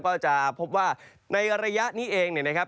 ก็จะพบว่าในระยะนี้เองเนี่ยนะครับ